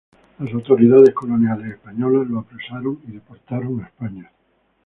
Las autoridades coloniales españolas lo apresaron y deportaron a España.